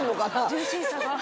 ジューシーさが。